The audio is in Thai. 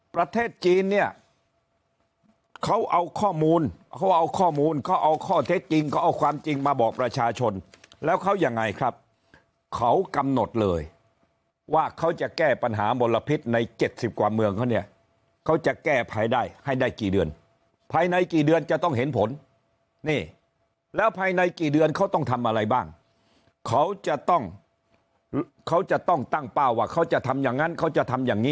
ประเทศจีนเนี่ยเขาเอาข้อมูลเขาเอาข้อมูลเขาเอาข้อเท็จจริงเขาเอาความจริงมาบอกประชาชนแล้วเขายังไงครับเขากำหนดเลยว่าเขาจะแก้ปัญหามลพิษใน๗๐กว่าเมืองเขาเนี่ยเขาจะแก้ภายได้ให้ได้กี่เดือนภายในกี่เดือนจะต้องเห็นผลนี่แล้วภายในกี่เดือนเขาต้องทำอะไรบ้างเขาจะต้องเขาจะต้องตั้งเป้าว่าเขาจะทำอย่างนั้นเขาจะทำอย่างนี้